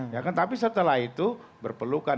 ya kan tapi setelah itu berpelukan